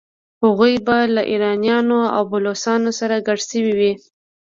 هغوی به له ایرانیانو او بلوڅانو سره ګډ شوي وي.